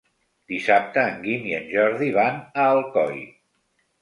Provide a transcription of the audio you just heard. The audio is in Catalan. Dissabte en Guim i en Jordi van a Alcoi.